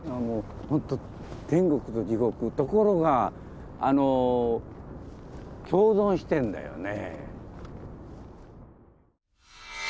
ほんと天国と地獄ところが共存してんだよね。